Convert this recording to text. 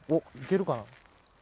いけるかな。